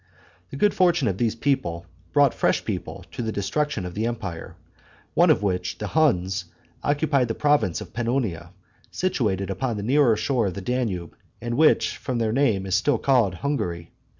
The good fortune of these brought fresh people to the destruction of the empire, one of which, the Huns, occupied the province of Pannonia, situated upon the nearer shore of the Danube, and which, from their name, is still called Hungary.